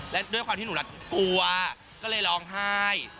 และด้วยความที่หนูกลัวก็เลยร้องไห้